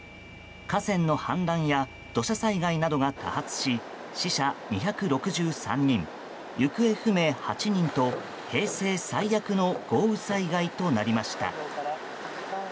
河川の氾濫や土砂災害などが多発し死者２６３人、行方不明８人と平成最悪の豪雨災害となりました。